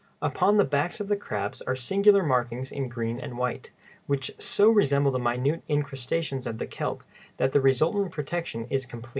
Upon the backs of the crabs are singular markings in green and white, which so resemble the minute incrustations of the kelp that the resultant protection is complete.